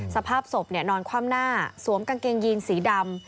สภาพศพนอนคว่ำหน้าสวมกางเกงยีนสีดำ